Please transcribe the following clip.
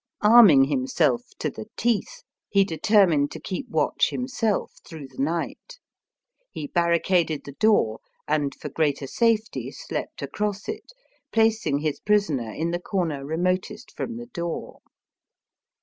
Arming himself to the teeth, he determined to keep watch himself TOL. I. 11 Digitized by VjOOQIC 162 EAST BY WEST. through the night. He barricaded the door, and for greater safety slept across it, placing his prisoner in the comer remotest from the door.